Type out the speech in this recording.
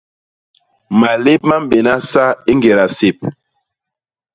Malép ma mbéna sa i ñgéda sép.